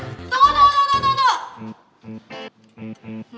tunggu tunggu tunggu